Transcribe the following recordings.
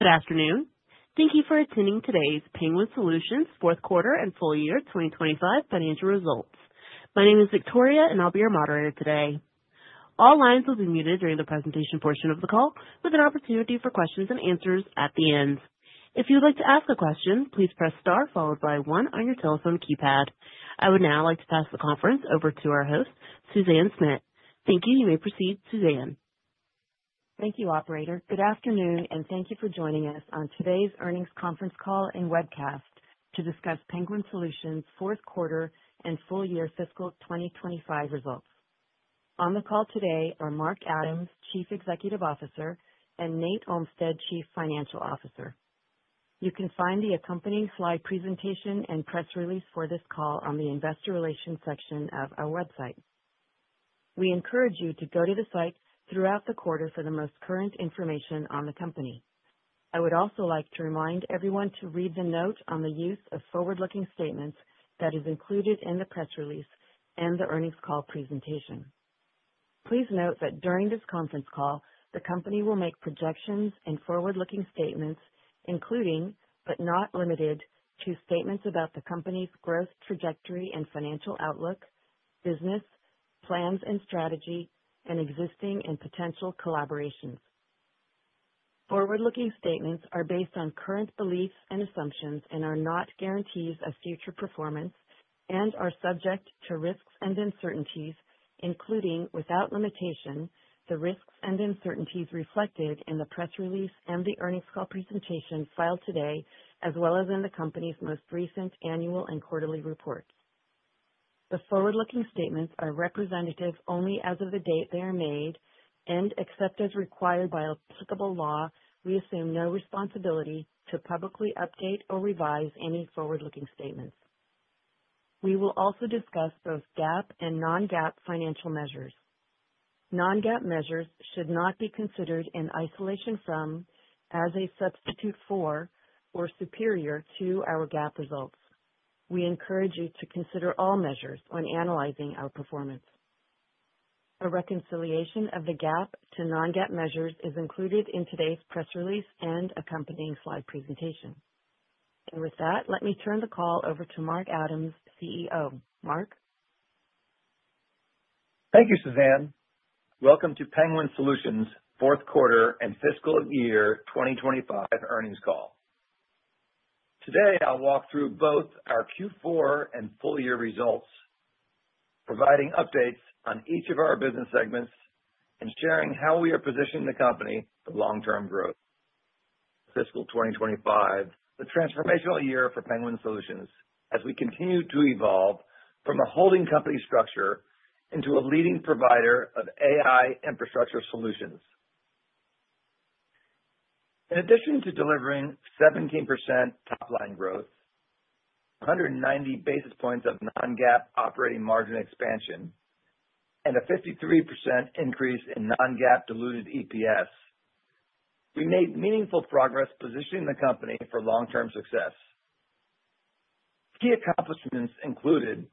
Good afternoon. Thank you for attending today's Penguin Solutions' Quarterly and Full-Year 2025 Financial Results. My name is Victoria, and I'll be your moderator today. All lines will be muted during the presentation portion of the call, with an opportunity for questions and answers at the end. If you would like to ask a question, please press star followed by one on your telephone keypad. I would now like to pass the conference over to our host, Suzanne Schmidt. Thank you. You may proceed, Suzanne. Thank you, operator. Good afternoon, and thank you for joining us on today's earnings conference call and webcast to discuss Penguin Solutions' Quarterly and Full-Year 2025 Financial Results. On the call today are Mark Adams, Chief Executive Officer, and Nate Olmstead, Chief Financial Officer. You can find the accompanying slide presentation and press release for this call on the Investor Relations section of our website. We encourage you to go to the site throughout the quarter for the most current information on the company. I would also like to remind everyone to read the note on the use of forward-looking statements that is included in the press release and the earnings call presentation. Please note that during this conference call, the company will make projections and forward-looking statements, including but not limited to statements about the company's growth trajectory and financial outlook, business plans and strategy, and existing and potential collaborations. Forward-looking statements are based on current beliefs and assumptions and are not guarantees of future performance and are subject to risks and uncertainties, including, without limitation, the risks and uncertainties reflected in the press release and the earnings call presentation filed today, as well as in the company's most recent annual and quarterly reports. The forward-looking statements are representative only as of the date they are made and, except as required by applicable law, we assume no responsibility to publicly update or revise any forward-looking statements. We will also discuss both GAAP and non-GAAP financial measures. Non-GAAP measures should not be considered in isolation from, as a substitute for, or superior to our GAAP results. We encourage you to consider all measures when analyzing our performance. A reconciliation of the GAAP to non-GAAP measures is included in today's press release and accompanying slide presentation. With that, let me turn the call over to Mark Adams, CEO. Mark? Thank you, Suzanne. Welcome to Penguin Solutions' Quarterly and Fiscal Year 2025 Earnings Call. Today, I'll walk through both our Q4 and full-year results, providing updates on each of our business segments and sharing how we are positioning the company for long-term growth. Fiscal 2025, the transformational year for Penguin Solutions, as we continue to evolve from a holding company structure into a leading provider of AI infrastructure solutions. In addition to delivering 17% top-line growth, 190 basis points of non-GAAP operating margin expansion, and a 53% increase in non-GAAP diluted EPS, we made meaningful progress positioning the company for long-term success. Key accomplishments included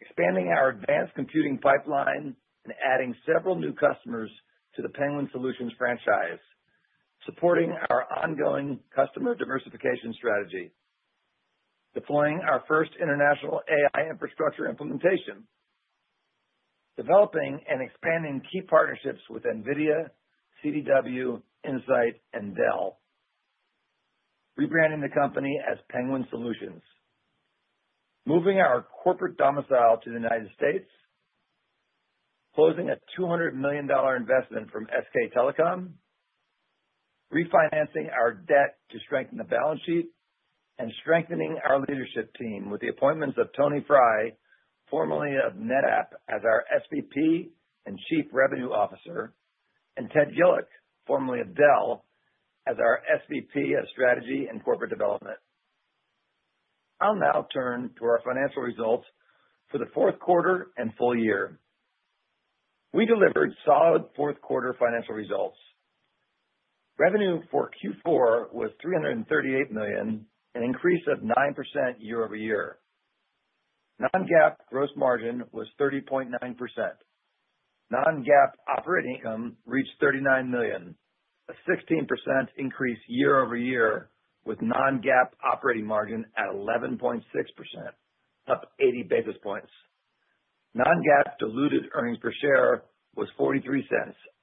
expanding our Advanced Computing pipeline and adding several new customers to the Penguin Solutions franchise, supporting our ongoing customer diversification strategy, deploying our first international AI infrastructure implementation, developing and expanding key partnerships with NVIDIA, CDW, Insight, and Dell, rebranding the company as Penguin Solutions, moving our corporate domicile to the United States, closing a $200 million investment from SK Telecom, refinancing our debt to strengthen the balance sheet, and strengthening our leadership team with the appointments of Tony Fry, formerly of NetApp, as our SVP and Chief Revenue Officer, and Ted Gillick, formerly of Dell, as our SVP of Strategy and Corporate Development. I'll now turn to our financial results for the fourth quarter and full year. We delivered solid fourth quarter financial results. Revenue for Q4 was $338 million, an increase of 9% year-over-year. Non-GAAP gross margin was 30.9%. Non-GAAP operating income reached $39 million, a 16% increase year-over-year with non-GAAP operating margin at 11.6%, up 80 basis points. Non-GAAP diluted earnings per share was $0.43,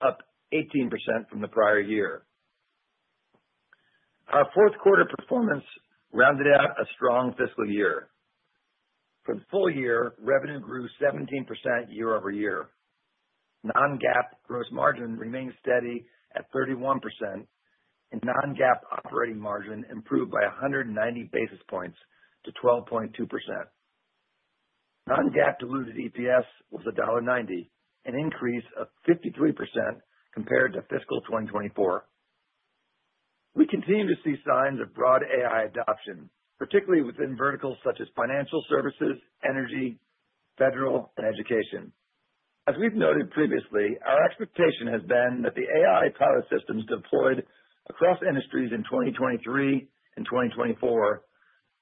up 18% from the prior year. Our fourth quarter performance rounded out a strong fiscal year. For the full year, revenue grew 17% year-over-year. Non-GAAP gross margin remained steady at 31%, and non-GAAP operating margin improved by 190 basis points to 12.2%. Non-GAAP diluted EPS was $1.90, an increase of 53% compared to fiscal 2024. We continue to see signs of broad AI adoption, particularly within verticals such as financial services, energy, federal, and education. As we've noted previously, our expectation has been that the AI-powered systems deployed across industries in 2023 and 2024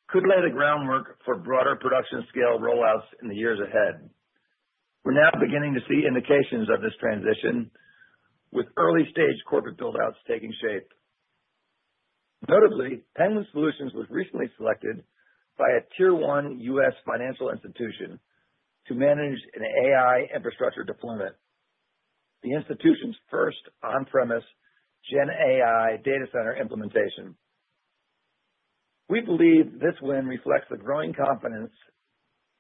could lay the groundwork for broader production-scale rollouts in the years ahead. We're now beginning to see indications of this transition, with early-stage corporate buildouts taking shape. Notably, Penguin Solutions was recently selected by a Tier 1 U.S. financial institution to manage an AI infrastructure deployment, the institution's first on-premise Gen AI data center implementation. We believe this win reflects the growing confidence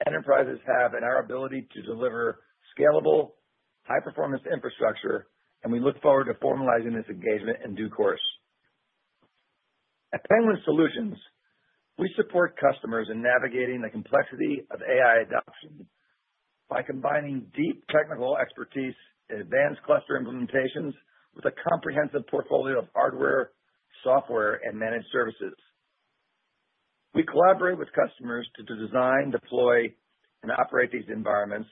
enterprises have in our ability to deliver scalable, high-performance infrastructure, and we look forward to formalizing this engagement in due course. At Penguin Solutions, we support customers in navigating the complexity of AI adoption by combining deep technical expertise in advanced cluster implementations with a comprehensive portfolio of hardware, software, and managed services. We collaborate with customers to design, deploy, and operate these environments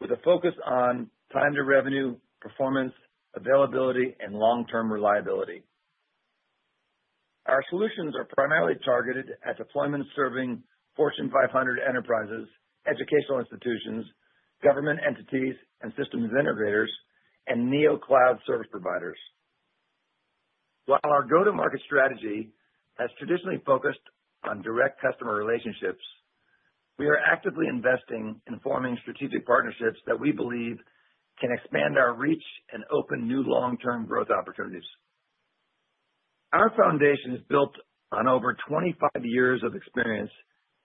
with a focus on time-to-revenue, performance, availability, and long-term reliability. Our solutions are primarily targeted at deployment-serving Fortune 500 enterprises, educational institutions, government entities, systems integrators, and neo-cloud service providers. While our go-to-market strategy has traditionally focused on direct customer relationships, we are actively investing in forming strategic partnerships that we believe can expand our reach and open new long-term growth opportunities. Our foundation is built on over 25 years of experience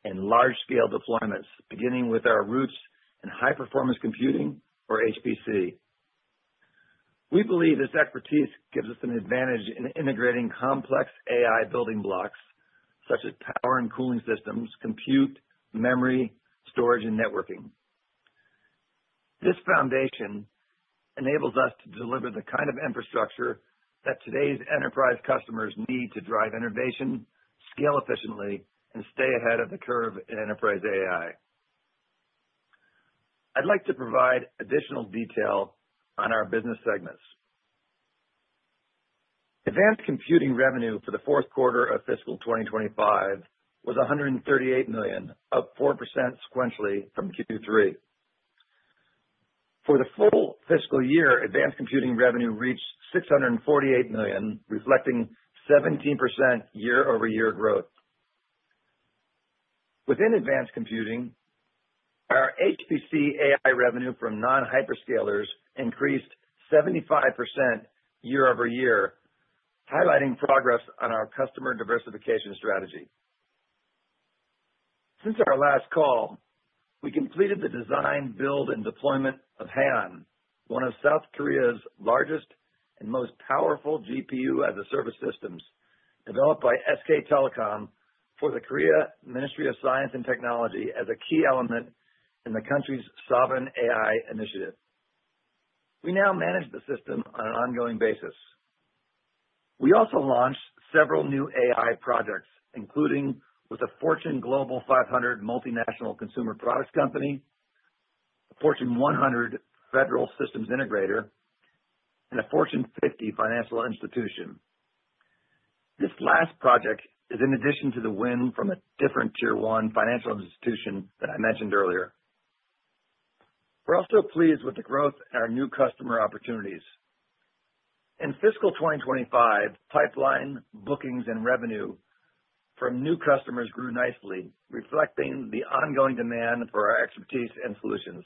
in large-scale deployments, beginning with our roots in high-performance computing, or HPC. We believe this expertise gives us an advantage in integrating complex AI building blocks such as power and cooling systems, compute, memory, storage, and networking. This foundation enables us to deliver the kind of infrastructure that today's enterprise customers need to drive innovation, scale efficiently, and stay ahead of the curve in enterprise AI. I'd like to provide additional detail on our business segments. Advanced Computing revenue for the fourth quarter of fiscal 2025 was $138 million, up 4% sequentially from Q3. For the full fiscal year, Advanced Computing revenue reached $648 million, reflecting 17% year-over-year growth. Within Advanced Computing, our HPC AI revenue from non-hyperscalers increased 75% year-over-year, highlighting progress on our customer diversification strategy. Since our last call, we completed the design, build, and deployment of Haon, one of South Korea's largest and most powerful GPU-as-a-service systems, developed by SK Telecom for the Korea Ministry of Science and Technology as a key element in the country's sovereign AI initiative. We now manage the system on an ongoing basis. We also launched several new AI projects, including with a Fortune Global 500 multinational consumer products company, a Fortune 100 federal systems integrator, and a Fortune 50 financial institution. This last project is in addition to the win from the different Tier 1 financial institution that I mentioned earlier. We're also pleased with the growth in our new customer opportunities. In fiscal 2025, pipeline bookings and revenue from new customers grew nicely, reflecting the ongoing demand for our expertise and solutions.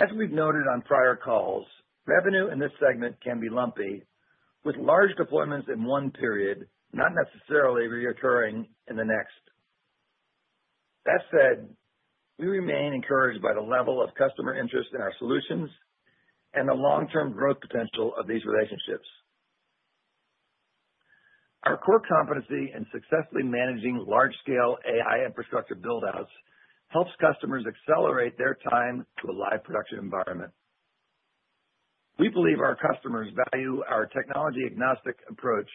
As we've noted on prior calls, revenue in this segment can be lumpy, with large deployments in one period not necessarily reoccurring in the next. That said, we remain encouraged by the level of customer interest in our solutions and the long-term growth potential of these relationships. Our core competency in successfully managing large-scale AI infrastructure buildouts helps customers accelerate their time to a live production environment. We believe our customers value our technology-agnostic approach,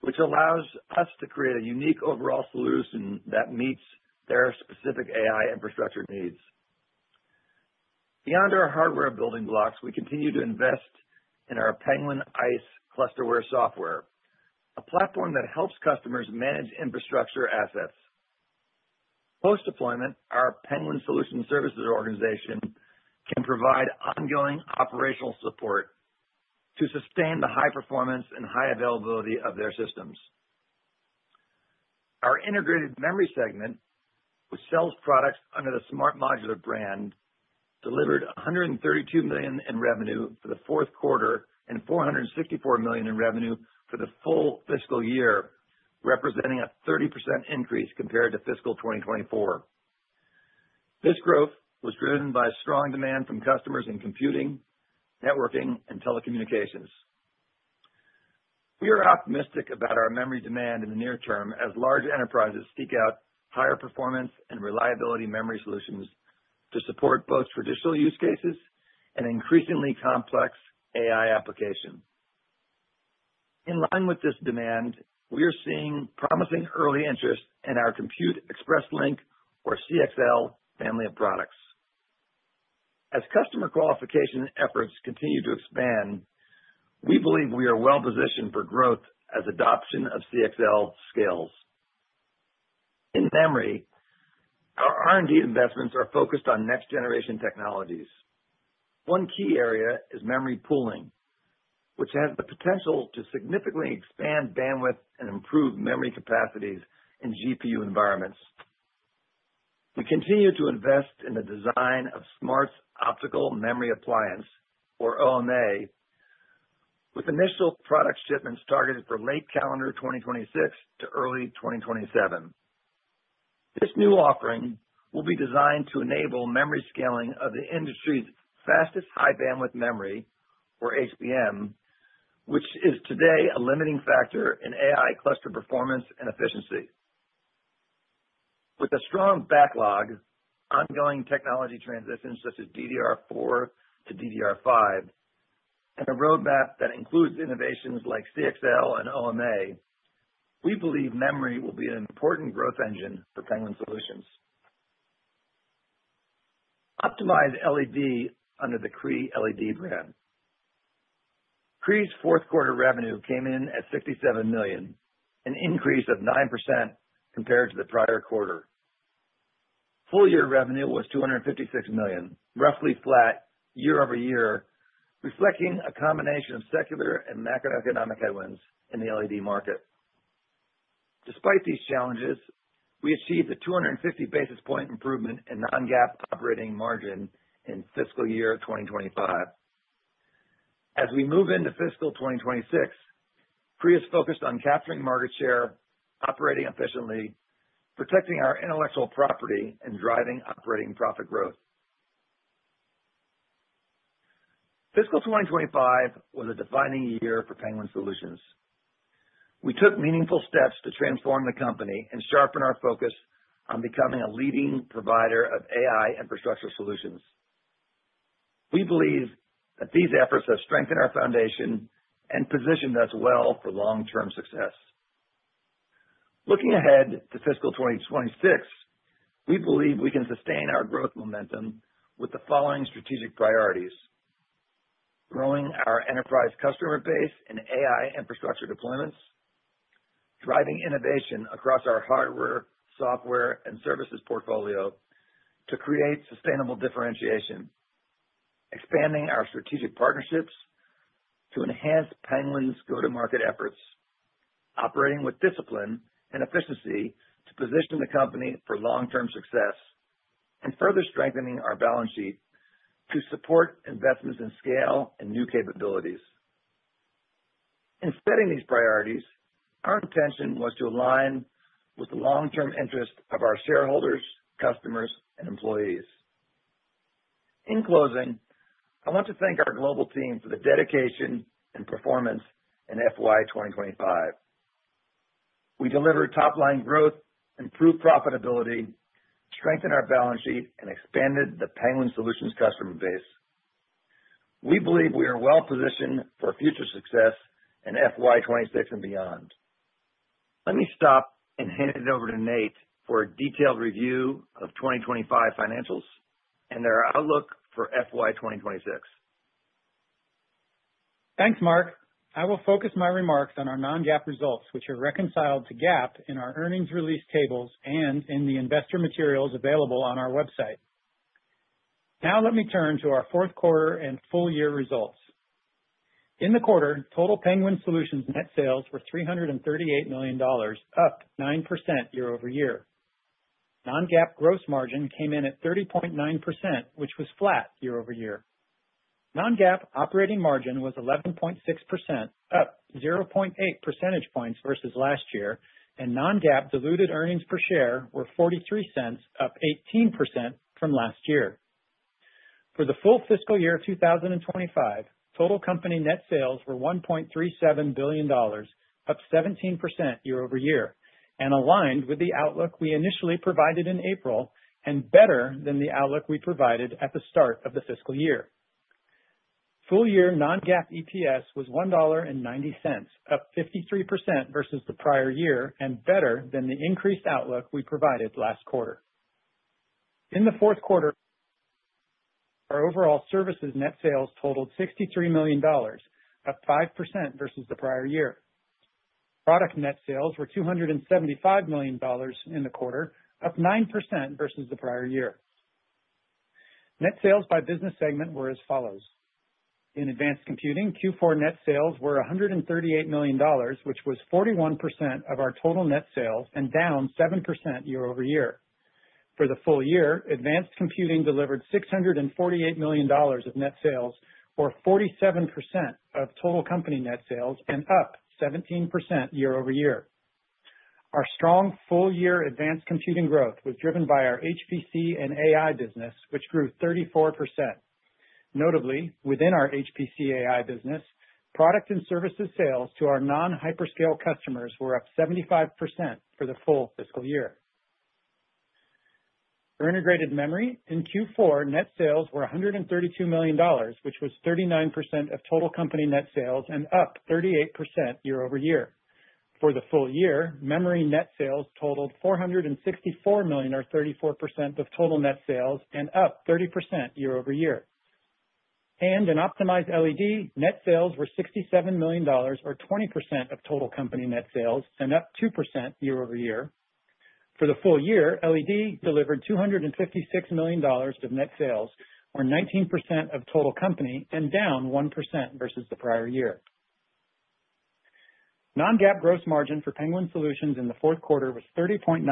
which allows us to create a unique overall solution that meets their specific AI infrastructure needs. Beyond our hardware building blocks, we continue to invest in our Penguin ICE clusterware software, a platform that helps customers manage infrastructure assets. Post-deployment, our Penguin Solutions Services organization can provide ongoing operational support to sustain the high performance and high availability of their systems. Our Integrated Memory segment, which sells products under the Smart Modular brand, delivered $132 million in revenue for the fourth quarter and $464 million in revenue for the full fiscal year, representing a 30% increase compared to fiscal 2024. This growth was driven by strong demand from customers in computing, networking, and telecommunications. We are optimistic about our memory demand in the near term as large enterprises seek out higher performance and reliability memory solutions to support both traditional use cases and increasingly complex AI applications. In line with this demand, we are seeing promising early interest in our Compute Express Link, or CXL, family of products. As customer qualification efforts continue to expand, we believe we are well positioned for growth as adoption of CXL scales. In memory, our R&D investments are focused on next-generation technologies. One key area is memory pooling, which has the potential to significantly expand bandwidth and improve memory capacities in GPU environments. We continue to invest in the design of Smart Optical Memory Appliance, or OMA, with initial product shipments targeted for late calendar 2026 to early 2027. This new offering will be designed to enable memory scaling of the industry's fastest high-bandwidth memory, or HBM, which is today a limiting factor in AI cluster performance and efficiency. With a strong backlog, ongoing technology transitions such as DDR4 to DDR5, and a roadmap that includes innovations like CXL and OMA, we believe memory will be an important growth engine for Penguin Solutions. Optimized LED under the Cree LED brand. Cree's fourth quarter revenue came in at $67 million, an increase of 9% compared to the prior quarter. Full-year revenue was $256 million, roughly flat year-over-year, reflecting a combination of secular and macroeconomic headwinds in the LED market. Despite these challenges, we achieved a 250 basis point improvement in the non-GAAP operating margin in fiscal year 2025. As we move into fiscal 2026, Cree is focused on capturing market share, operating efficiently, protecting our intellectual property, and driving operating profit growth. Fiscal 2025 was a defining year for Penguin Solutions. We took meaningful steps to transform the company and sharpen our focus on becoming a leading provider of AI infrastructure solutions. We believe that these efforts have strengthened our foundation and positioned us well for long-term success. Looking ahead to fiscal 2026, we believe we can sustain our growth momentum with the following strategic priorities: growing our enterprise customer base in AI infrastructure deployments, driving innovation across our hardware, software, and services portfolio to create sustainable differentiation, expanding our strategic partnerships to enhance Penguin Solutions' go-to-market efforts, operating with discipline and efficiency to position the company for long-term success, and further strengthening our balance sheet to support investments in scale and new capabilities. In setting these priorities, our intention was to align with the long-term interest of our shareholders, customers, and employees. In closing, I want to thank our global team for the dedication and performance in FY 2025. We delivered top-line growth, improved profitability, strengthened our balance sheet, and expanded the Penguin Solutions customer base. We believe we are well positioned for future success in FY 2026 and beyond. Let me stop and hand it over to Nate for a detailed review of 2025 financials and their outlook for FY 2026. Thanks, Mark. I will focus my remarks on our non-GAAP results, which are reconciled to GAAP in our earnings release tables and in the investor materials available on our website. Now, let me turn to our fourth quarter and full-year results. In the quarter, total Penguin Solutions net sales were $338 million, up 9% year-over-year. Non-GAAP gross margin came in at 30.9%, which was flat year-over-year. Non-GAAP operating margin was 11.6%, up 0.8 percentage points versus last year, and non-GAAP diluted earnings per share were $0.43, up 18% from last year. For the full fiscal year 2025, total company net sales were $1.37 billion, up 17% year-over-year and aligned with the outlook we initially provided in April and better than the outlook we provided at the start of the fiscal year. Full-year non-GAAP EPS was $1.90, up 53% versus the prior year and better than the increased outlook we provided last quarter. In the fourth quarter, our overall services net sales totaled $63 million, up 5% versus the prior year. Product net sales were $275 million in the quarter, up 9% versus the prior year. Net sales by business segment were as follows. In Advanced Computing, Q4 net sales were $138 million, which was 41% of our total net sales and down 7% year-over-year. For the full year, Advanced Computing delivered $648 million of net sales, or 47% of total company net sales and up 17% year-over-year. Our strong full-year Advanced Computing growth was driven by our HPC AI business, which grew 34%. Notably, within our HPC AI business, product and services sales to our non-hyperscale customers were up 75% for the full fiscal year. For Integrated Memory, in Q4, net sales were $132 million, which was 39% of total company net sales and up 38% year-over-year. For the full year, memory net sales totaled $464 million, or 34% of total net sales and up 30% year-over-year. In Optimized LED, net sales were $67 million, or 20% of total company net sales and up 2% year-over-year. For the full year, LED delivered $256 million of net sales, or 19% of total company and down 1% versus the prior year. Non-GAAP gross margin for Penguin Solutions in the fourth quarter was 30.9%,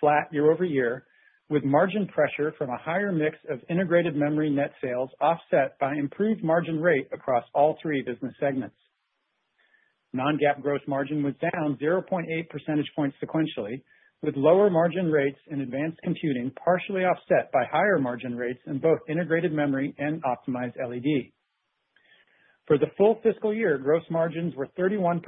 flat year-over-year, with margin pressure from a higher mix of Integrated Memory net sales offset by improved margin rate across all three business segments. Non-GAAP gross margin was down 0.8 percentage points sequentially, with lower margin rates in Advanced Computing partially offset by higher margin rates in both Integrated Memory and Optimized LED. For the full fiscal year, gross margins were 31%,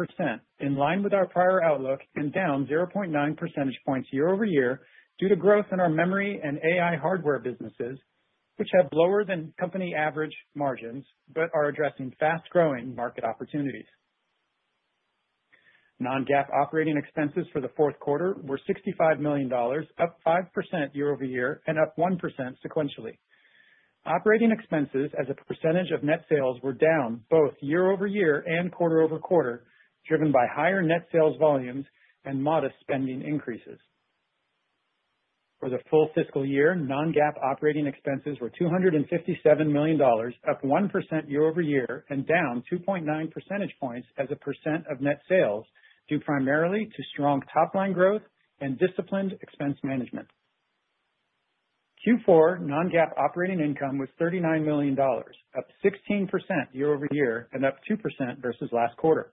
in line with our prior outlook, and down 0.9 percentage points year-over-year due to growth in our memory and AI hardware businesses, which have lower than company average margins but are addressing fast-growing market opportunities. Non-GAAP operating expenses for the fourth quarter were $65 million, up 5% year-over-year and up 1% sequentially. Operating expenses as a percentage of net sales were down both year-over-year and quarter-over-quarter, driven by higher net sales volumes and modest spending increases. For the full fiscal year, non-GAAP operating expenses were $257 million, up 1% year-over-year and down 2.9 percentage points as a percent of net sales, due primarily to strong top-line growth and disciplined expense management. Q4 non-GAAP operating income was $39 million, up 16% year-over-year and up 2% versus last quarter.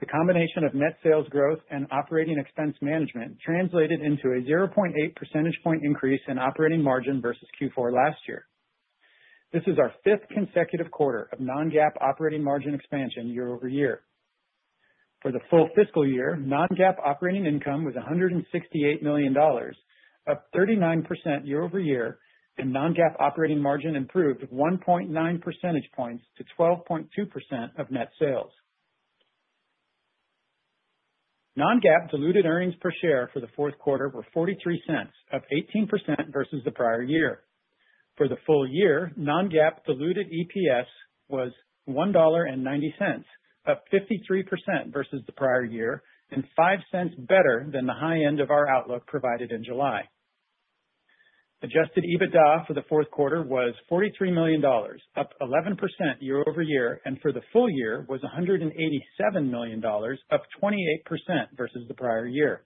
The combination of net sales growth and operating expense management translated into a 0.8 percentage point increase in operating margin versus Q4 last year. This is our fifth consecutive quarter of non-GAAP operating margin expansion year-over-year. For the full fiscal year, non-GAAP operating income was $168 million, up 39% year-over-year, and non-GAAP operating margin improved 1.9 percentage points to 12.2% of net sales. Non-GAAP diluted earnings per share for the fourth quarter were $0.43, up 18% versus the prior year. For the full year, non-GAAP diluted EPS was $1.90, up 53% versus the prior year and $0.05 better than the high end of our outlook provided in July. Adjusted EBITDA for the fourth quarter was $43 million, up 11% year-over-year, and for the full year was $187 million, up 28% versus the prior year.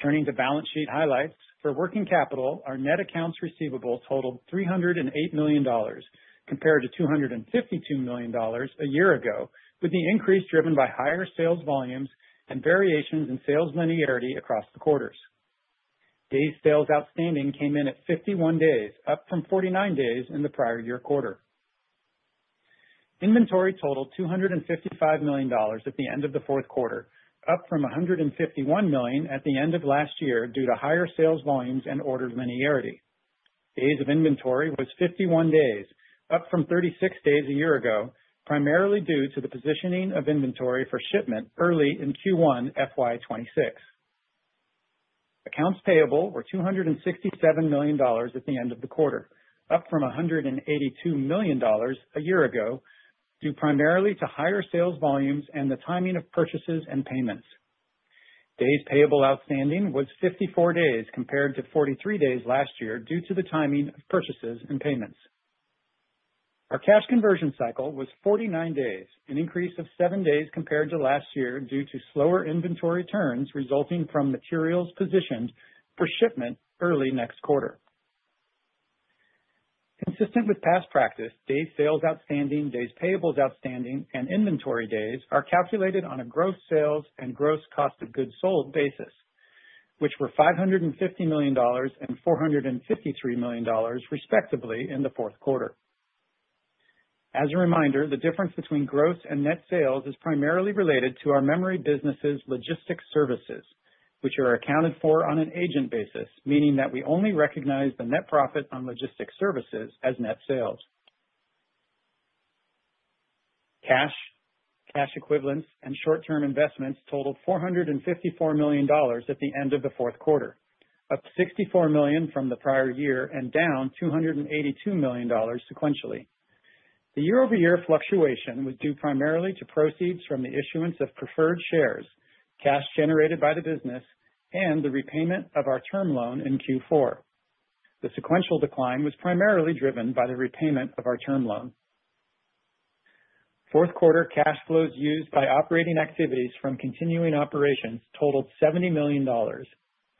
Turning to balance sheet highlights, for working capital, our net accounts receivable totaled $308 million compared to $252 million a year ago, with the increase driven by higher sales volumes and variations in sales linearity across the quarters. Day sales outstanding came in at 51 days, up from 49 days in the prior year quarter. Inventory totaled $255 million at the end of the fourth quarter, up from $151 million at the end of last year due to higher sales volumes and order linearity. Days of inventory was 51 days, up from 36 days a year ago, primarily due to the positioning of inventory for shipment early in Q1 FY 26. Accounts payable were $267 million at the end of the quarter, up from $182 million a year ago, due primarily to higher sales volumes and the timing of purchases and payments. Days payable outstanding was 54 days compared to 43 days last year due to the timing of purchases and payments. Our cash conversion cycle was 49 days, an increase of seven days compared to last year due to slower inventory turns resulting from materials positioned for shipment early next quarter. Consistent with past practice, days sales outstanding, days payables outstanding, and inventory days are calculated on a gross sales and gross cost of goods sold basis, which were $550 million and $453 million, respectively, in the fourth quarter. As a reminder, the difference between gross and net sales is primarily related to our memory business's logistics services, which are accounted for on an agent basis, meaning that we only recognize the net profit on logistics services as net sales. Cash, cash equivalents, and short-term investments totaled $454 million at the end of the fourth quarter, up $64 million from the prior year and down $282 million sequentially. The year-over-year fluctuation was due primarily to proceeds from the issuance of preferred shares, cash generated by the business, and the repayment of our term loan in Q4. The sequential decline was primarily driven by the repayment of our term loan. Fourth quarter cash flows used by operating activities from continuing operations totaled $70 million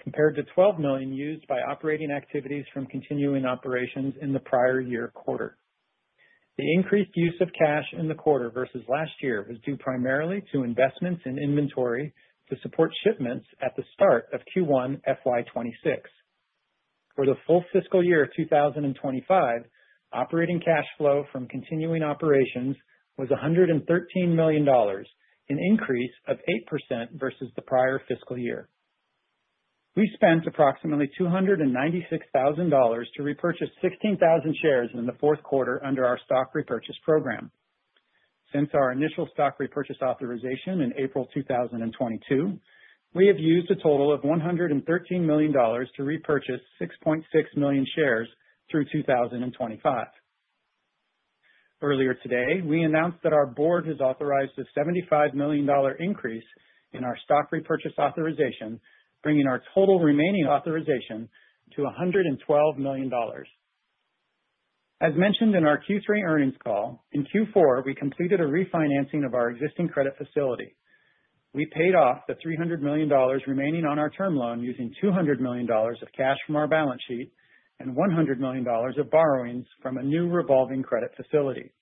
compared to $12 million used by operating activities from continuing operations in the prior year quarter. The increased use of cash in the quarter versus last year was due primarily to investments in inventory to support shipments at the start of Q1 FY 26. For the full fiscal year 2025, operating cash flow from continuing operations was $113 million, an increase of 8% versus the prior fiscal year. We spent approximately $296,000 to repurchase 16,000 shares in the fourth quarter under our stock repurchase program. Since our initial stock repurchase authorization in April 2022, we have used a total of $113 million to repurchase 6.6 million shares through 2025. Earlier today, we announced that our board has authorized a $75 million increase in our stock repurchase authorization, bringing our total remaining authorization to $112 million. As mentioned in our Q3 earnings call, in Q4, we completed a refinancing of our existing credit facility. We paid off the $300 million remaining on our term loan using $200 million of cash from our balance sheet and $100 million of borrowings from a new revolving credit facility.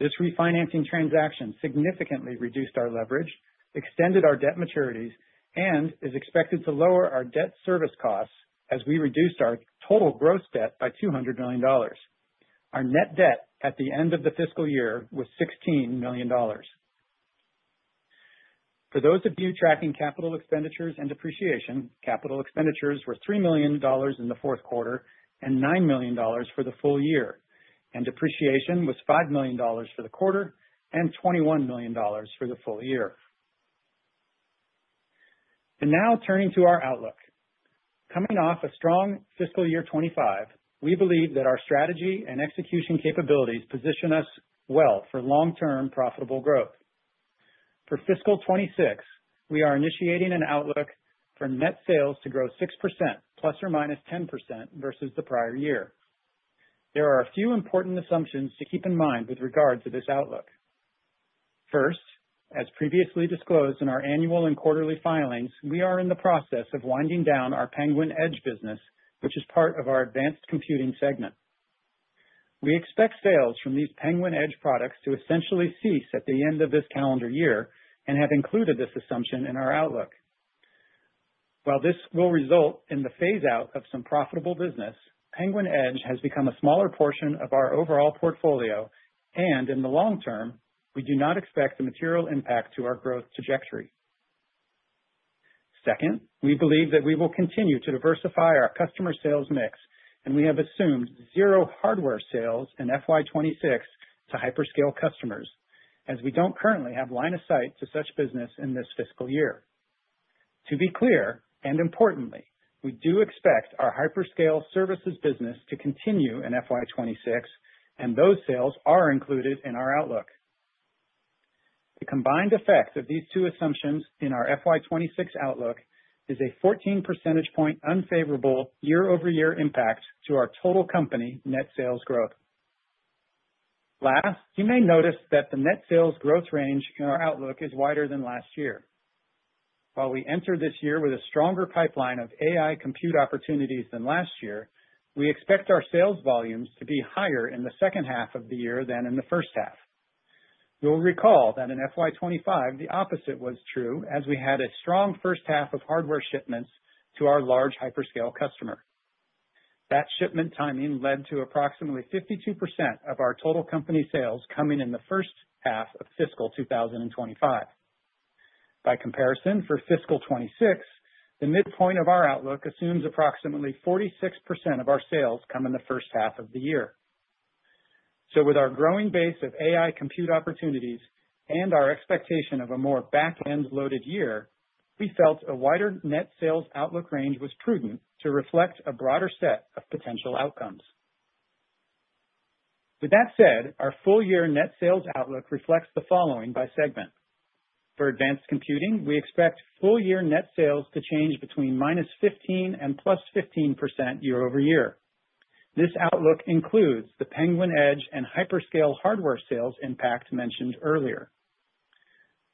This refinancing transaction significantly reduced our leverage, extended our debt maturities, and is expected to lower our debt service costs as we reduced our total gross debt by $200 million. Our net debt at the end of the fiscal year was $16 million. For those of you tracking capital expenditures and depreciation, capital expenditures were $3 million in the fourth quarter and $9 million for the full year, and depreciation was $5 million for the quarter and $21 million for the full year. Now turning to our outlook. Coming off a strong fiscal year 2025, we believe that our strategy and execution capabilities position us well for long-term profitable growth. For fiscal 2026, we are initiating an outlook for net sales to grow 6%, ±10% versus the prior year. There are a few important assumptions to keep in mind with regard to this outlook. First, as previously disclosed in our annual and quarterly filings, we are in the process of winding down our Penguin Edge business, which is part of our Advanced Computing segment. We expect sales from these Penguin Edge products to essentially cease at the end of this calendar year and have included this assumption in our outlook. While this will result in the phase-out of some profitable business, Penguin Edge has become a smaller portion of our overall portfolio, and in the long term, we do not expect a material impact to our growth trajectory. Second, we believe that we will continue to diversify our customer sales mix, and we have assumed zero hardware sales in FY 2026 to hyperscale customers, as we don't currently have line of sight to such business in this fiscal year. To be clear and importantly, we do expect our hyperscale services business to continue in FY 2026, and those sales are included in our outlook. The combined effect of these two assumptions in our FY 2026 outlook is a 14% unfavorable year-over-year impact to our total company net sales growth. Last, you may notice that the net sales growth range in our outlook is wider than last year. While we enter this year with a stronger pipeline of AI compute opportunities than last year, we expect our sales volumes to be higher in the second half of the year than in the first half. You'll recall that in FY 2025, the opposite was true, as we had a strong first half of hardware shipments to our large hyperscale customer. That shipment timing led to approximately 52% of our total company sales coming in the first half of fiscal 2025. By comparison, for fiscal 2026, the midpoint of our outlook assumes approximately 46% of our sales come in the first half of the year. With our growing base of AI compute opportunities and our expectation of a more back-end loaded year, we felt a wider net sales outlook range was prudent to reflect a broader set of potential outcomes. That said, our full-year net sales outlook reflects the following by segment. For Advanced Computing, we expect full-year net sales to change between -15% and +15% year-over-year. This outlook includes the Penguin Edge and hyperscale hardware sales impact mentioned earlier.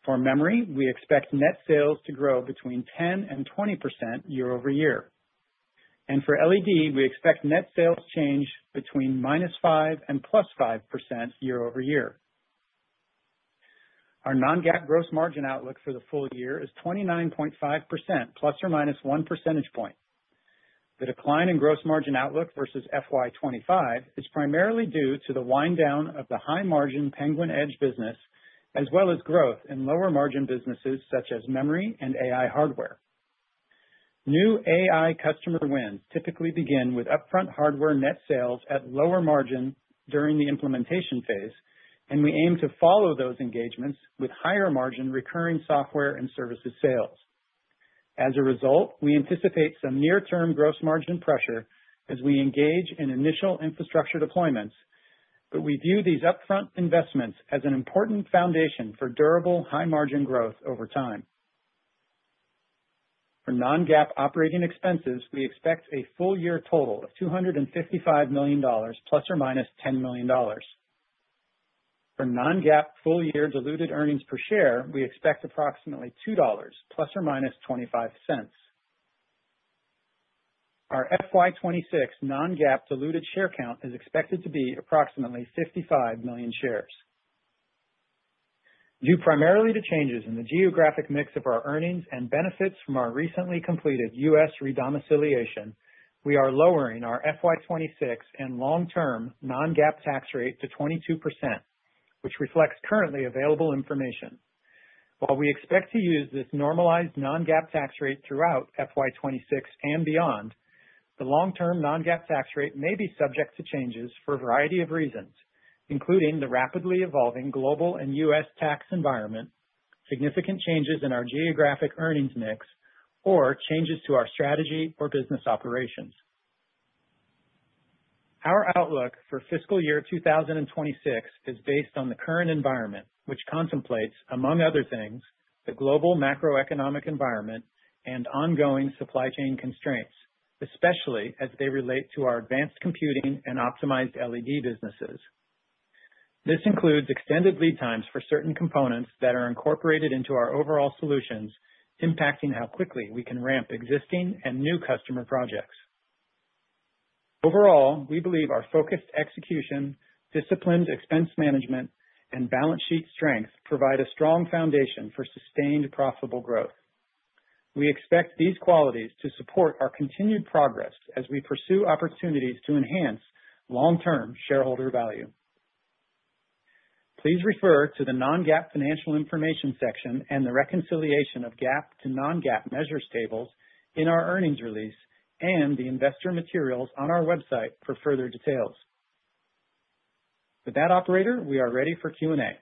For Memory, we expect net sales to grow between 10% and 20% year-over-year. For LED, we expect net sales to change between -5% and +5% year-over-year. Our non-GAAP gross margin outlook for the full year is 29.5%, ±1 percentage point. The decline in gross margin outlook versus FY 2025 is primarily due to the wind-down of the high-margin Penguin Edge business, as well as growth in lower-margin businesses such as Memory and AI hardware. New AI customer wins typically begin with upfront hardware net sales at lower margin during the implementation phase, and we aim to follow those engagements with higher margin recurring software and services sales. As a result, we anticipate some near-term gross margin pressure as we engage in initial infrastructure deployments, but we view these upfront investments as an important foundation for durable high-margin growth over time. For non-GAAP operating expenses, we expect a full-year total of $255 million, ± $10 million. For non-GAAP full-year diluted EPS, we expect approximately $2, ± $0.25. Our FY 2026 non-GAAP diluted share count is expected to be approximately 55 million shares. Due primarily to changes in the geographic mix of our earnings and benefits from our recently completed U.S. redomiciliation, we are lowering our FY 2026 and long-term non-GAAP tax rate to 22%, which reflects currently available information. While we expect to use this normalized non-GAAP tax rate throughout FY 2026 and beyond, the long-term non-GAAP tax rate may be subject to changes for a variety of reasons, including the rapidly evolving global and U.S. tax environment, significant changes in our geographic earnings mix, or changes to our strategy or business operations. Our outlook for fiscal year 2026 is based on the current environment, which contemplates, among other things, the global macroeconomic environment and ongoing supply chain constraints, especially as they relate to our Advanced Computing and Optimized LED businesses. This includes extended lead times for certain components that are incorporated into our overall solutions, impacting how quickly we can ramp existing and new customer projects. Overall, we believe our focused execution, disciplined expense management, and balance sheet strength provide a strong foundation for sustained profitable growth. We expect these qualities to support our continued progress as we pursue opportunities to enhance long-term shareholder value. Please refer to the non-GAAP financial information section and the reconciliation of GAAP to non-GAAP measures tables in our earnings release and the investor materials on our website for further details. With that, operator, we are ready for Q&A.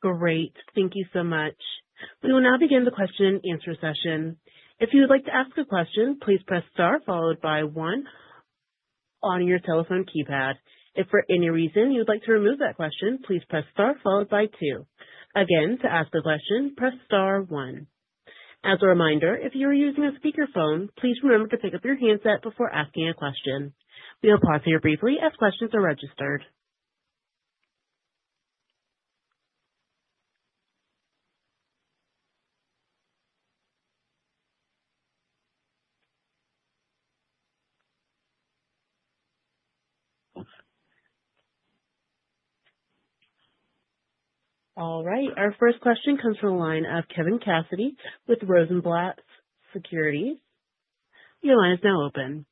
Great. Thank you so much. We will now begin the question and answer session. If you would like to ask a question, please press star followed by one on your telephone keypad. If for any reason you would like to remove that question, please press star followed by two. Again, to ask a question, press star one. As a reminder, if you are using a speakerphone, please remember to pick up your handset before asking a question. We will pause here briefly as questions are registered. All right. Our first question comes from a line of Kevin Cassidy with Rosenblatt Securities Inc. Your line is now open.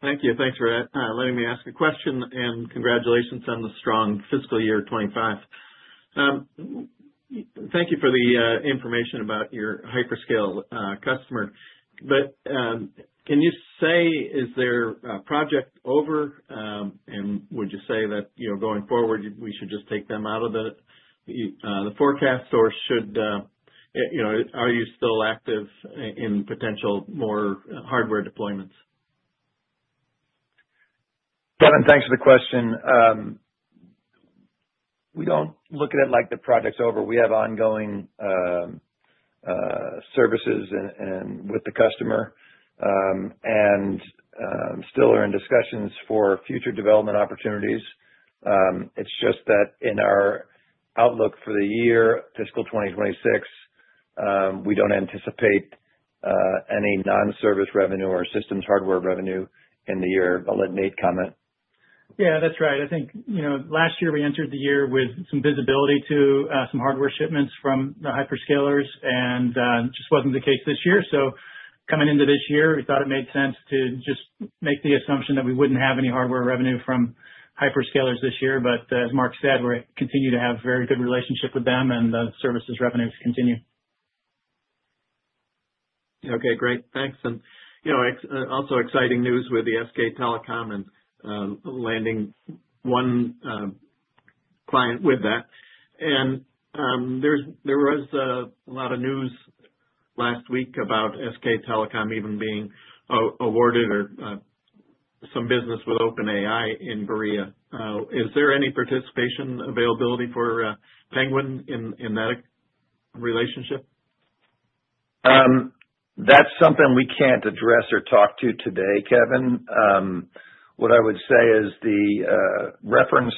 Thank you. Thanks for letting me ask a question and congratulations on the strong fiscal year 2025. Thank you for the information about your hyperscale customer. Can you say, is their project over? Would you say that, going forward, we should just take them out of the forecast, or are you still active in potential more hardware deployments? Kevin, thanks for the question. We don't look at it like the project's over. We have ongoing services with the customer and still are in discussions for future development opportunities. It's just that in our outlook for the year, fiscal 2026, we don't anticipate any non-service revenue or systems hardware revenue in the year. I'll let Nate comment. Yeah, that's right. I think last year we entered the year with some visibility to some hardware shipments from the hyperscalers, and it just wasn't the case this year. Coming into this year, we thought it made sense to just make the assumption that we wouldn't have any hardware revenue from hyperscalers this year. As Mark said, we continue to have a very good relationship with them, and the services revenues continue. Okay, great. Thanks. You know, it's also exciting news with the SK Telecom and landing one client with that. There was a lot of news last week about SK Telecom even being awarded or some business with OpenAI in Korea. Is there any participation availability for Penguin in that relationship? That's something we can't address or talk to today, Kevin. What I would say is the referenced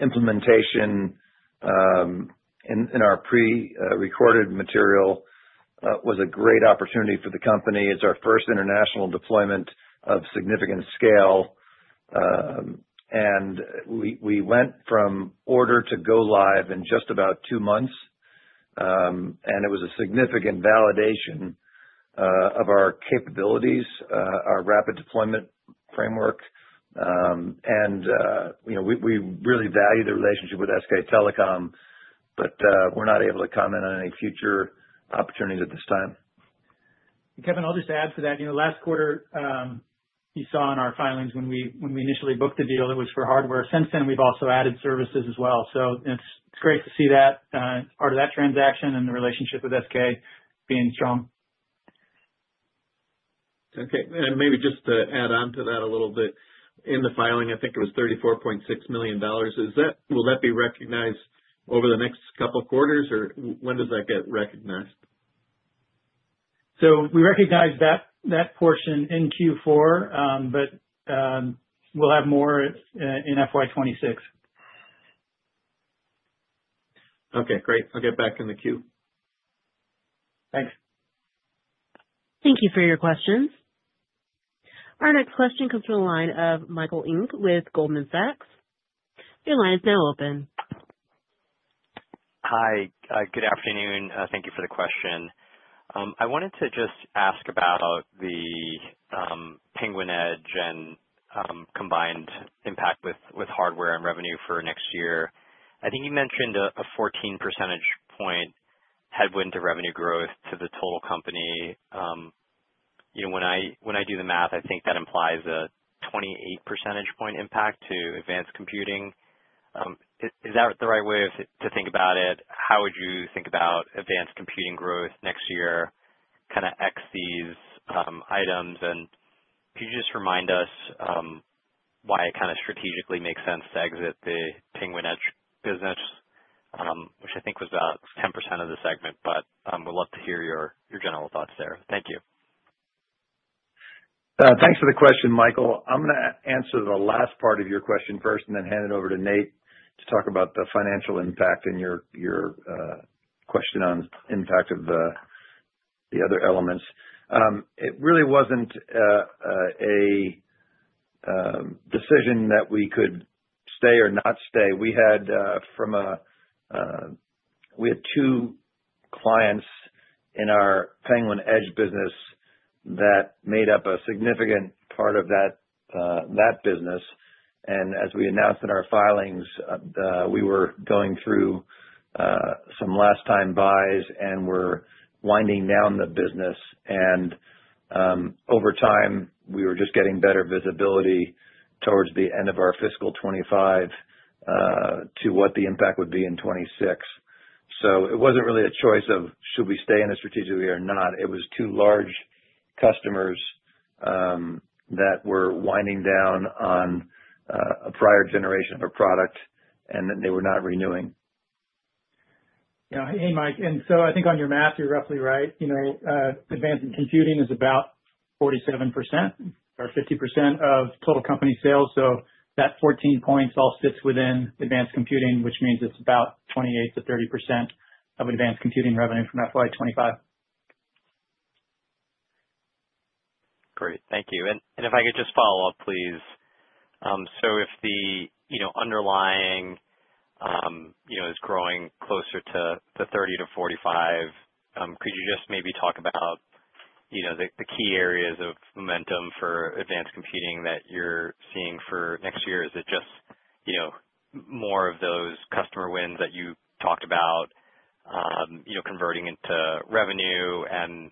implementation in our pre-recorded material was a great opportunity for the company. It's our first international deployment of significant scale. We went from order to go live in just about two months, and it was a significant validation of our capabilities, our rapid deployment framework. We really value the relationship with SK Telecom, but we're not able to comment on any future opportunities at this time. Kevin, I'll just add for that, you know, last quarter you saw in our filings when we initially booked the deal, it was for hardware. Since then, we've also added services as well. It's great to see that part of that transaction and the relationship with SK being strong. Okay. Maybe just to add on to that a little bit, in the filing, I think it was $34.6 million. Will that be recognized over the next couple of quarters, or when does that get recognized? We recognize that portion in Q4, but we'll have more in FY 2026. Okay, great. I'll get back in the queue. Thanks. Thank you for your questions. Our next question comes from a line of Michael Ng with Goldman Sachs. Your line is now open. Hi. Good afternoon. Thank you for the question. I wanted to just ask about the Penguin Edge and combined impact with hardware and revenue for next year. I think you mentioned a 14% headwind to revenue growth to the total company. You know, when I do the math, I think that implies a 28% impact to Advanced Computing. Is that the right way to think about it? How would you think about Advanced Computing growth next year kind of exceeds items? Could you just remind us why it kind of strategically makes sense to exit the Penguin Edge business, which I think was about 10% of the segment, but we'd love to hear your general thoughts there. Thank you. Thanks for the question, Michael. I'm going to answer the last part of your question first and then hand it over to Nate to talk about the financial impact and your question on the impact of the other elements. It really wasn't a decision that we could stay or not stay. We had two clients in our Penguin Edge business that made up a significant part of that business. As we announced in our filings, we were going through some last-time buys and were winding down the business. Over time, we were just getting better visibility towards the end of our fiscal 2025 to what the impact would be in 2026. It wasn't really a choice of should we stay in strategically or not. It was two large customers that were winding down on a prior generation of a product and that they were not renewing. Yeah. Hey, Mike. I think on your math, you're roughly right. You know, Advanced Computing is about 47% or 50% of total company sales. That 14 points all sits within Advanced Computing, which means it's about 28%-30% of Advanced Computing revenue from FY 2025. Great. Thank you. If I could just follow up, please. If the underlying is growing closer to the 30%-45%, could you just maybe talk about the key areas of momentum for Advanced Computing that you're seeing for next year? Is it just more of those customer wins that you talked about, converting into revenue, and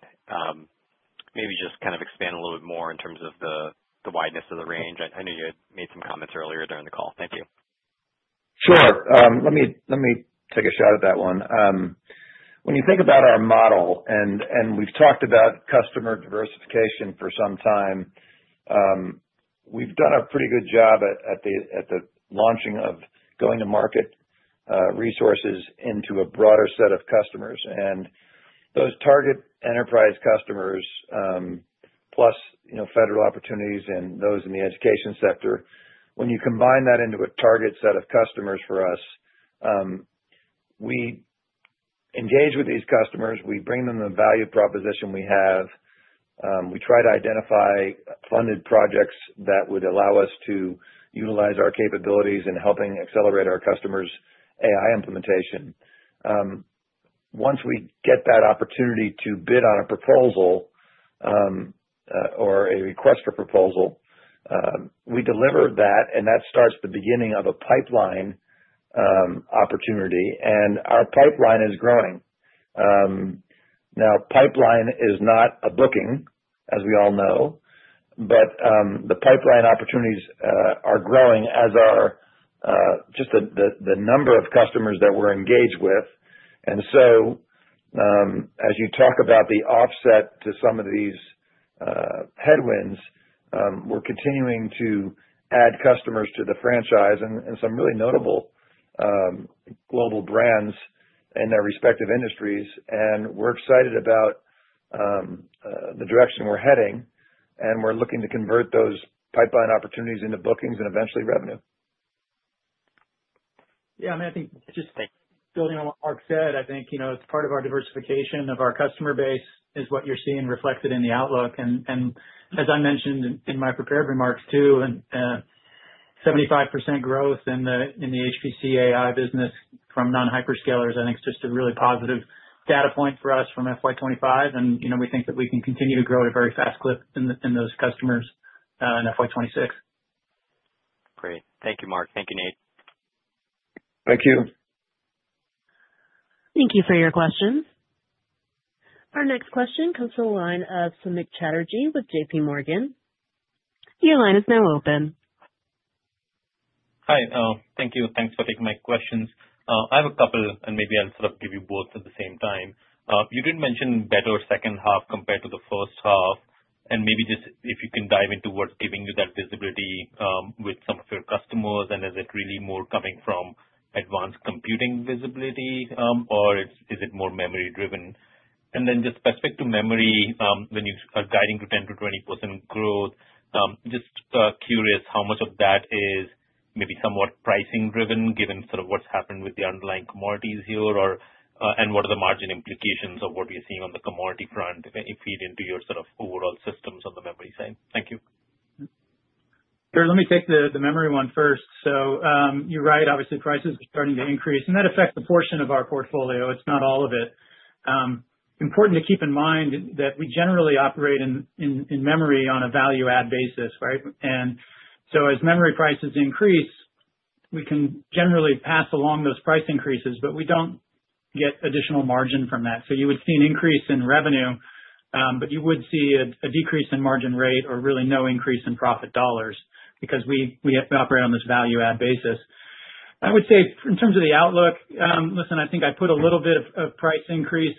maybe just kind of expand a little bit more in terms of the wideness of the range? I know you had made some comments earlier during the call. Thank you. Sure. Let me take a shot at that one. When you think about our model, and we've talked about customer diversification for some time, we've done a pretty good job at the launching of going to market resources into a broader set of customers. Those target enterprise customers, plus, you know, federal opportunities and those in the education sector, when you combine that into a target set of customers for us, we engage with these customers. We bring them the value proposition we have. We try to identify funded projects that would allow us to utilize our capabilities in helping accelerate our customers' AI implementation. Once we get that opportunity to bid on a proposal or a request for proposal, we deliver that, and that starts the beginning of a pipeline opportunity, and our pipeline is growing. Now, pipeline is not a booking, as we all know, but the pipeline opportunities are growing as are just the number of customers that we're engaged with. As you talk about the offset to some of these headwinds, we're continuing to add customers to the franchise and some really notable global brands in their respective industries. We're excited about the direction we're heading, and we're looking to convert those pipeline opportunities into bookings and eventually revenue. Yeah, I mean, I think just building on what Mark said, I think it's part of our diversification of our customer base is what you're seeing reflected in the outlook. As I mentioned in my prepared remarks too, 75% growth in the HPC AI business from non-hyperscalers, I think it's just a really positive data point for us from FY 2025. We think that we can continue to grow at a very fast clip in those customers in FY 2026. Great. Thank you, Mark. Thank you, Nate. Thank you. Thank you for your questions. Our next question comes from a line of Samik Chatterjee with JPMorgan. Your line is now open. Hi. Thank you. Thanks for taking my questions. I have a couple, and maybe I'll sort of give you both at the same time. You did mention better second half compared to the first half, and maybe just if you can dive into what's giving you that visibility with some of your customers, and is it really more coming from Advanced Computing visibility, or is it more memory-driven? Then just specific to memory, when you are guiding to 10%-20% growth, just curious how much of that is maybe somewhat pricing-driven, given sort of what's happened with the underlying commodities here, and what are the margin implications of what we're seeing on the commodity front, if it feeds into your sort of overall systems on the memory side. Thank you. Sure. Let me take the memory one first. You're right. Obviously, prices are starting to increase, and that affects the portion of our portfolio. It's not all of it. It's important to keep in mind that we generally operate in memory on a value-add basis, right? As memory prices increase, we can generally pass along those price increases, but we don't get additional margin from that. You would see an increase in revenue, but you would see a decrease in margin rate or really no increase in profit dollars because we operate on this value-add basis. I would say in terms of the outlook, I think I put a little bit of price increase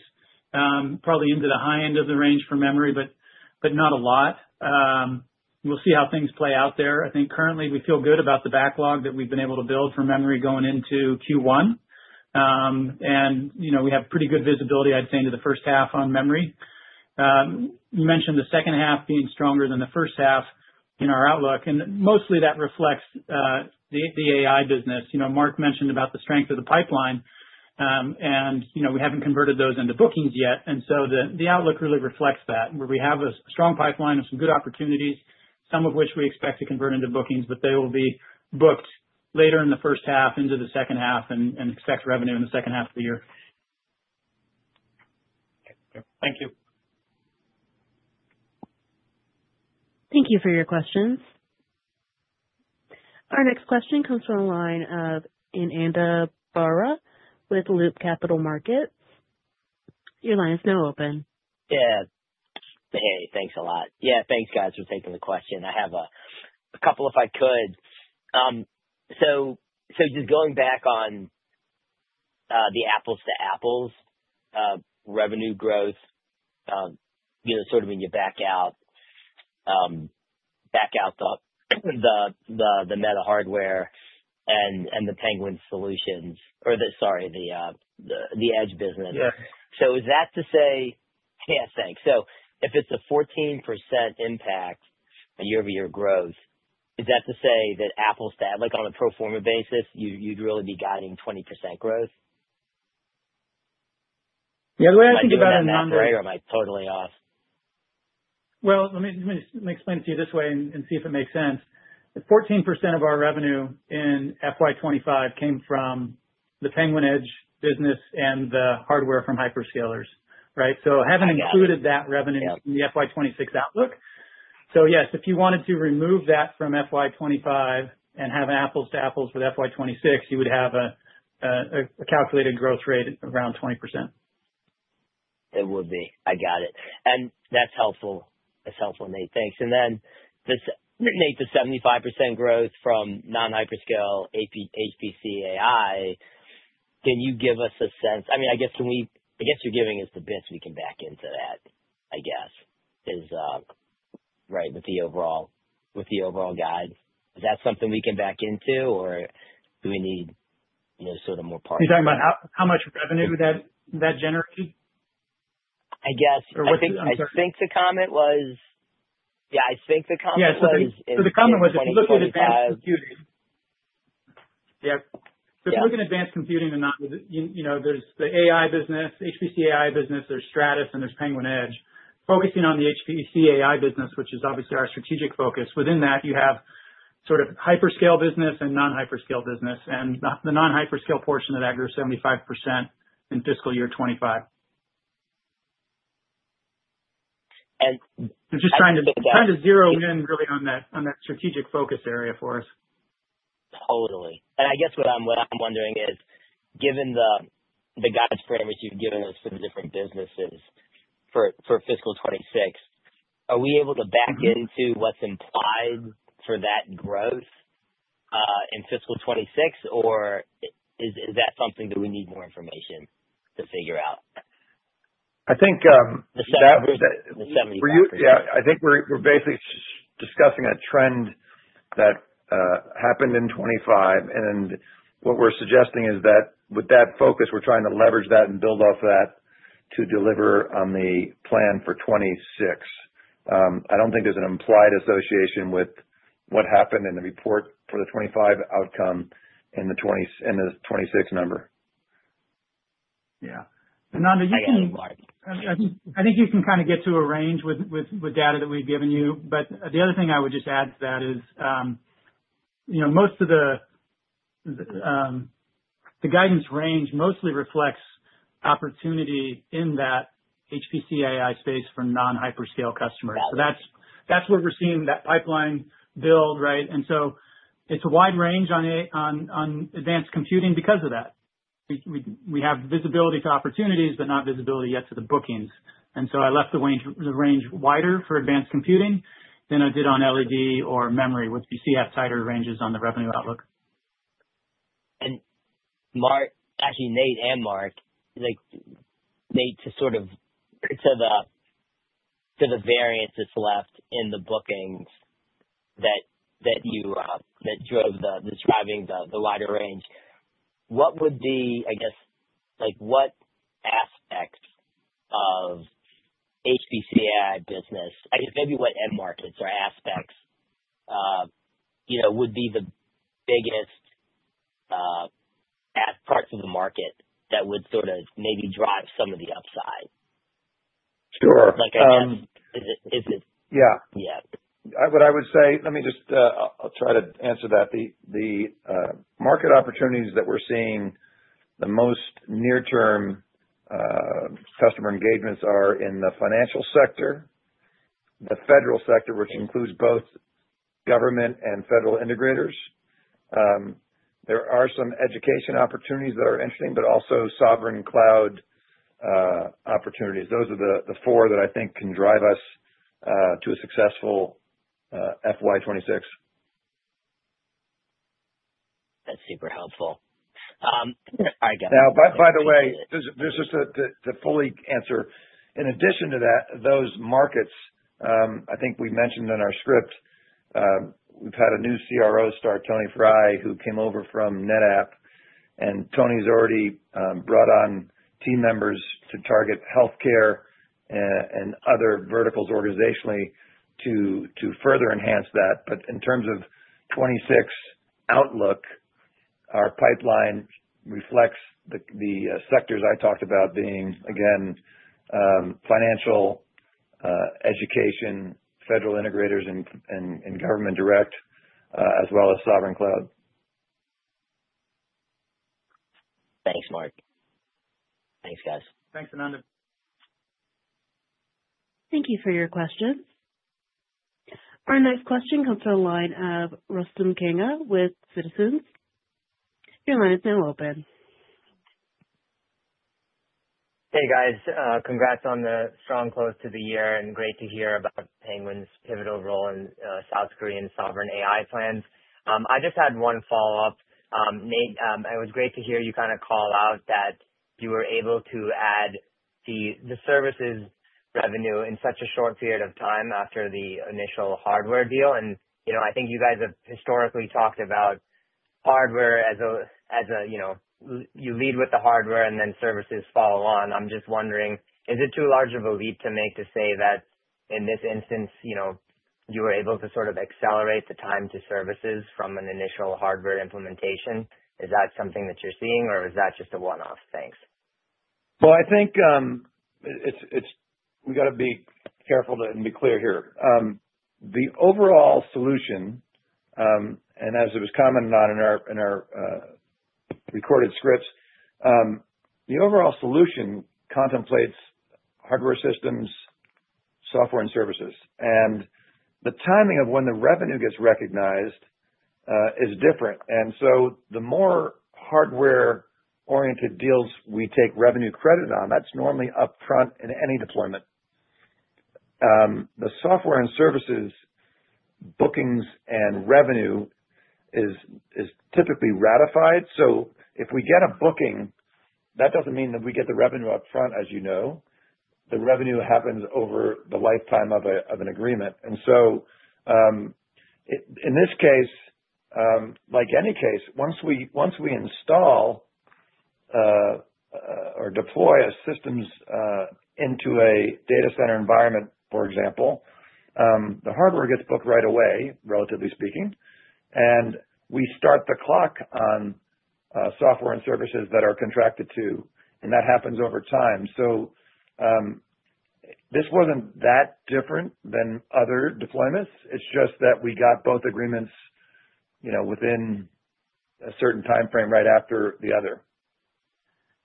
probably into the high end of the range for memory, but not a lot. We'll see how things play out there. I think currently we feel good about the backlog that we've been able to build for memory going into Q1. We have pretty good visibility, I'd say, into the first half on memory. You mentioned the second half being stronger than the first half in our outlook, and mostly that reflects the AI business. Mark mentioned the strength of the pipeline, and we haven't converted those into bookings yet. The outlook really reflects that, where we have a strong pipeline and some good opportunities, some of which we expect to convert into bookings, but they will be booked later in the first half into the second half and expect revenue in the second half of the year. Okay. Thank you. Thank you for your questions. Our next question comes from the line of Ananda Baruah with Loop Capital Markets. Your line is now open. Yeah. Hey, thanks a lot. Yeah, thanks, guys, for taking the question. I have a couple if I could. Just going back on the apples-to-apples revenue growth, you know, in your back out the meta hardware and the Penguin Edge business. Is that to say, yes, thanks. If it's a 14% impact on year-over-year growth, is that to say that apples to, like, on a pro forma basis, you'd really be guiding 20% growth? Yeah, the way I think about it now. Am I totally off? Let me explain to you this way and see if it makes sense. 14% of our revenue in FY 2025 came from the Penguin Edge business and the hardware from hyperscalers, right? I haven't included that revenue in the FY 2026 outlook. Yes, if you wanted to remove that from FY 2025 and have an apples-to-apples with FY 2026, you would have a calculated growth rate around 20%. It would be. I got it. That's helpful, Nate. Thanks. The 75% growth from non-hyperscale HPC AI, can you give us a sense? I mean, can we, I guess you're giving us the bits we can back into that, is that right with the overall guide? Is that something we can back into, or do we need more parts? You're talking about how much revenue that generated? I think the comment was, yeah, I think the comment was. Yeah, the comment was if you look at Advanced Computing, if you look at Advanced Computing and not with, you know, there's the AI business, the HPC AI business, there's Stratus, and there's Penguin Edge, focusing on the HPC AI business, which is obviously our strategic focus. Within that, you have sort of hyperscale business and non-hyperscale business, and the non-hyperscale portion of that grew 75% in fiscal year 2025. And. It's just trying to zero in really on that strategic focus area for us. Totally. I guess what I'm wondering is, given the guidance frame that you've given us for the different businesses for fiscal 2026, are we able to back into what's implied for that growth in fiscal 2026, or is that something that we need more information to figure out? I think that. The 75%. Yeah, I think we're basically discussing a trend that happened in 2025. What we're suggesting is that with that focus, we're trying to leverage that and build off that to deliver on the plan for 2026. I don't think there's an implied association with what happened in the report for the 2025 outcome and the 2026 number. Yeah, I think you can kind of get to a range with data that we've given you. The other thing I would just add to that is, you know, most of the guidance range mostly reflects opportunity in that HPC AI space for non-hyperscale customers. That's where we're seeing that pipeline build, right? It's a wide range on advanced computing because of that. We have visibility to opportunities, but not visibility yet to the bookings. I left the range wider for advanced computing than I did on LED or memory, which you see have tighter ranges on the revenue outlook. Mark, actually Nate and Mark, like Nate to sort of to the variance that's left in the bookings that drove the describing the wider range. What would be, I guess, like what aspects of HPC AI business, I guess maybe what end markets or aspects, you know, would be the biggest aspects of the market that would sort of maybe drive some of the upside? Sure. Like I said, is it? Yeah. Yeah. What I would say, let me try to answer that. The market opportunities that we're seeing, the most near-term customer engagements are in the financial sector, the federal sector, which includes both government and federal integrators. There are some education opportunities that are interesting, but also sovereign cloud opportunities. Those are the four that I think can drive us to a successful FY 2026. That's super helpful. Now, by the way, just to fully answer, in addition to that, those markets, I think we mentioned in our script, we've had a new CRO start, Tony Frey, who came over from NetApp. Tony's already brought on team members to target healthcare and other verticals organizationally to further enhance that. In terms of 2026 outlook, our pipeline reflects the sectors I talked about being, again, financial, education, federal integrators, and government direct, as well as sovereign cloud. Thanks, Mark. Thanks, guys. Thanks, Ananda. Thank you for your questions. Our next question comes from a line of Rustam Kanga with Citizens JMP Securities LLC. Your line is now open. Hey, guys. Congrats on the strong close to the year, and great to hear about Penguin Solutions' pivotal role in South Korean sovereign AI plans. I just had one follow-up. Nate, it was great to hear you kind of call out that you were able to add the services revenue in such a short period of time after the initial hardware deal. I think you guys have historically talked about hardware as a, you know, you lead with the hardware and then services follow on. I'm just wondering, is it too large of a leap to make to say that in this instance, you were able to sort of accelerate the time to services from an initial hardware implementation? Is that something that you're seeing, or is that just a one-off thing? I think we got to be careful and be clear here. The overall solution, and as it was commented on in our recorded scripts, the overall solution contemplates hardware systems, software, and services. The timing of when the revenue gets recognized is different. The more hardware-oriented deals we take revenue credit on, that's normally upfront in any deployment. The software and services bookings and revenue is typically ratified. If we get a booking, that doesn't mean that we get the revenue upfront, as you know. The revenue happens over the lifetime of an agreement. In this case, like any case, once we install or deploy a system into a data center environment, for example, the hardware gets booked right away, relatively speaking, and we start the clock on software and services that are contracted to, and that happens over time. This wasn't that different than other deployments. It's just that we got both agreements, you know, within a certain timeframe right after the other.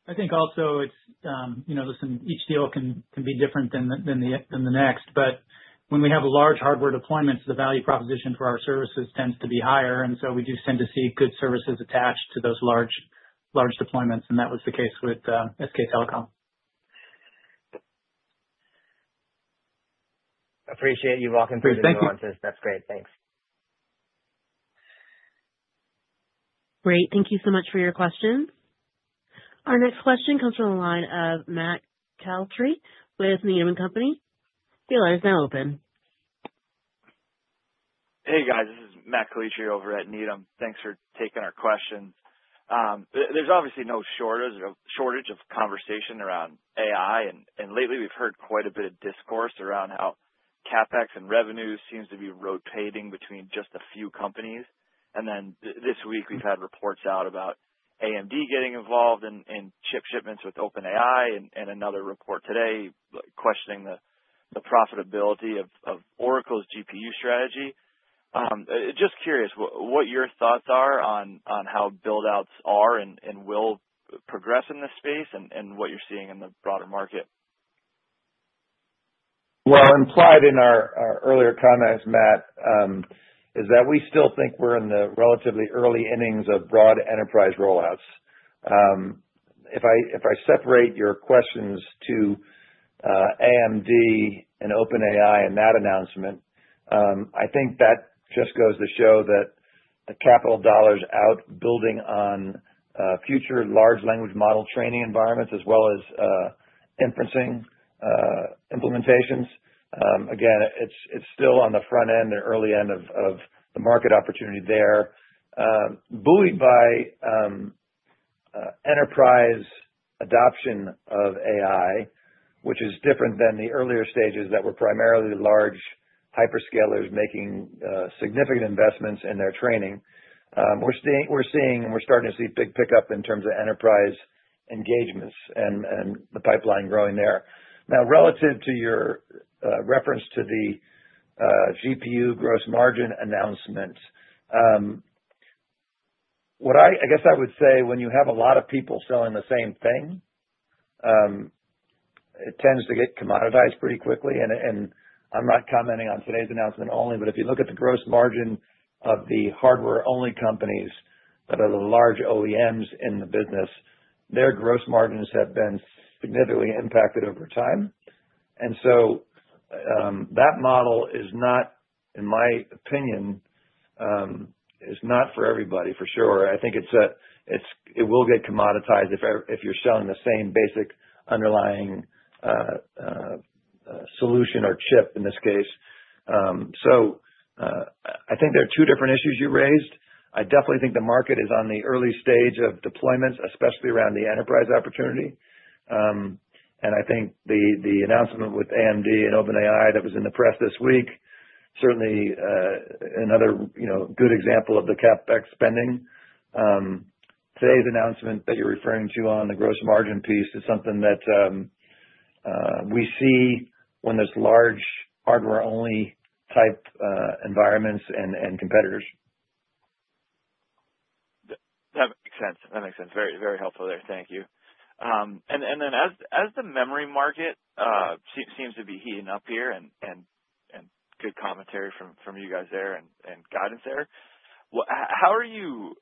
I think also it's, you know, listen, each deal can be different than the next. When we have large hardware deployments, the value proposition for our services tends to be higher. We do tend to see good services attached to those large deployments, and that was the case with SK Telecom. I appreciate you walking through these nuances. That's great. Thanks. Great. Thank you so much for your questions. Our next question comes from a line of Matt Calitri with Needham & Company LLC. Your line is now open. Hey, guys. This is Matt Calitri over at Needham. Thanks for taking our question. There's obviously no shortage of conversation around AI, and lately, we've heard quite a bit of discourse around how CapEx and revenue seem to be rotating between just a few companies. This week, we've had reports out about AMD getting involved in chip shipments with OpenAI, and another report today questioning the profitability of Oracle's GPU strategy. Just curious what your thoughts are on how buildouts are and will progress in this space and what you're seeing in the broader market. Implied in our earlier comments, Matt, is that we still think we're in the relatively early innings of broad enterprise rollouts. If I separate your questions to AMD and OpenAI in that announcement, I think that just goes to show that the capital dollars out building on future large language model training environments, as well as inferencing implementations, again, it's still on the front end or early end of the market opportunity there. Buoyed by enterprise adoption of AI, which is different than the earlier stages that were primarily large hyperscalers making significant investments in their training, we're seeing and we're starting to see a big pickup in terms of enterprise engagements and the pipeline growing there. Now, relative to your reference to the GPU gross margin announcement, what I guess I would say, when you have a lot of people selling the same thing, it tends to get commoditized pretty quickly. I'm not commenting on today's announcement only, but if you look at the gross margin of the hardware-only companies that are the large OEMs in the business, their gross margins have been significantly impacted over time. That model is not, in my opinion, is not for everybody, for sure. I think it will get commoditized if you're selling the same basic underlying solution or chip in this case. I think there are two different issues you raised. I definitely think the market is on the early stage of deployments, especially around the enterprise opportunity. I think the announcement with AMD and OpenAI that was in the press this week certainly is another good example of the CapEx spending. Today's announcement that you're referring to on the gross margin piece is something that we see when there's large hardware-only type environments and competitors. That makes sense. Very, very helpful there. Thank you. As the memory market seems to be heating up here, and good commentary from you guys there and guidance there, how are you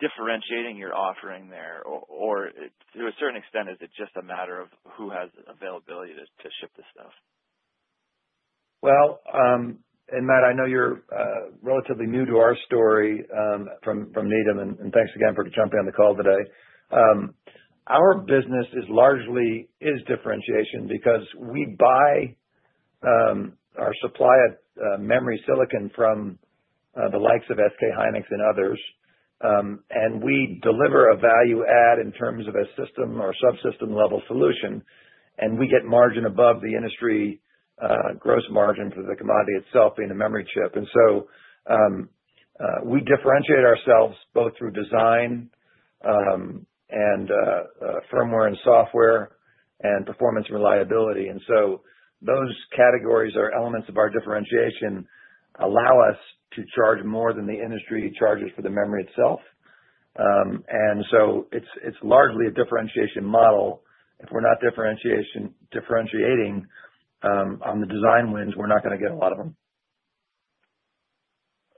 differentiating your offering there? To a certain extent, is it just a matter of who has availability to ship this stuff? Matt, I know you're relatively new to our story from Needham, and thanks again for jumping on the call today. Our business is largely differentiation because we buy our supply of memory silicon from the likes of SK Hynix and others. We deliver a value add in terms of a system or subsystem level solution, and we get margin above the industry gross margins of the commodity itself being the memory chip. We differentiate ourselves both through design and firmware and software and performance and reliability. Those categories are elements of our differentiation that allow us to charge more than the industry charges for the memory itself. It's largely a differentiation model. If we're not differentiating on the design wins, we're not going to get a lot of them.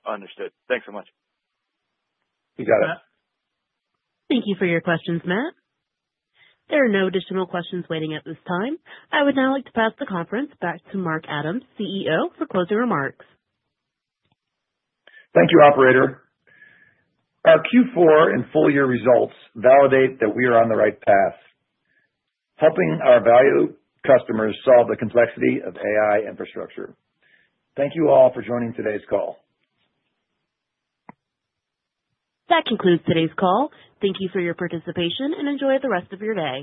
Understood. Thanks so much. You got it. Thank you for your questions, Matt. There are no additional questions waiting at this time. I would now like to pass the conference back to Mark Adams, CEO, for closing remarks. Thank you, operator. Our Q4 and full-year results validate that we are on the right path, helping our valued customers solve the complexity of AI infrastructure. Thank you all for joining today's call. That concludes today's call. Thank you for your participation and enjoy the rest of your day.